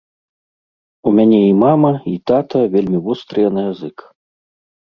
У мяне і мама, і тата вельмі вострыя на язык.